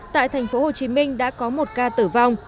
tại tp hcm đã có một ca tử vong